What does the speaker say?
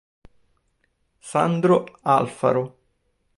Sandro Alfaro